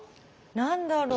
何だろう？